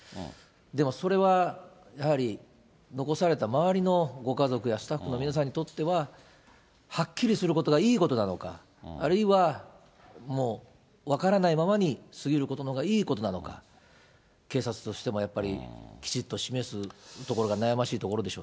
でもそれはやはり残された周りのご家族やスタッフの皆さんにとっては、はっきりすることがいいことなのか、あるいは、もう分からないままに過ぎることのほうがいいことなのか、警察としてもやっぱりきちっと示すところが悩ましいところでしょ